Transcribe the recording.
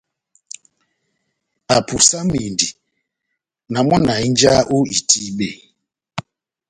Apusamindi na mɔ́ na hínjaha ó itíbe.